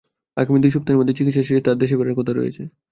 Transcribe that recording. আগামী দুই সপ্তাহের মধ্যেই চিকিৎসা শেষে তাঁর দেশে ফেরার কথা রয়েছে।